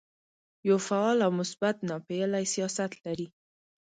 یو فعال او مثبت ناپېیلی سیاست لري.